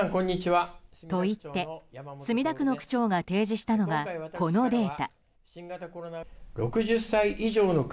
墨田区の区長が提示したのはこのデータ。